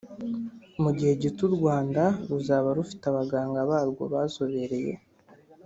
mu gihe gito u Rwanda ruzaba rufite abaganga barwo bazobereye